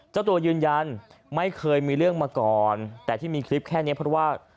เจ้าตัวยืนยันไม่เคยมีเรื่องมาก่อนแต่ที่มีคลิปแค่นี้เพราะว่า